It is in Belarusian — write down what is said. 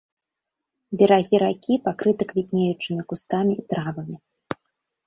Берагі ракі пакрыты квітнеючымі кустамі і травамі.